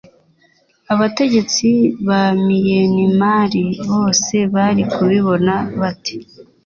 abategetsi ba miyanimari bo se bari kubibona bate